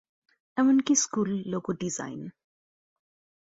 এমনকি school logo design.